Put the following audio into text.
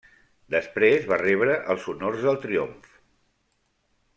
Després va rebre els honors del triomf.